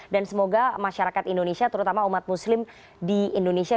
dan semoga masyarakat indonesia terutama umat muslim di indonesia